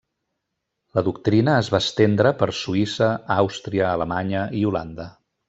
La doctrina es va estendre per Suïssa, Àustria, Alemanya i Holanda.